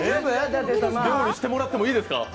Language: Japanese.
用意してもらってもいいですか？